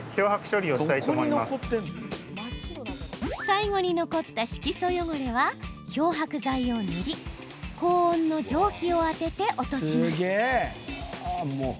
最後に残った色素汚れは漂白剤を塗り高温の蒸気を当てて落とします。